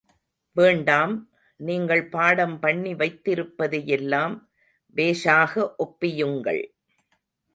வேண்டாம், நீங்கள் பாடம் பண்ணி வைத்திருப்பதையெல்லாம் பேஷாக ஒப்பியுங்கள்.